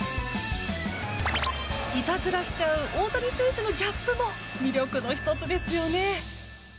いたずらしちゃう大谷選手のギャップも魅力の１つですよね。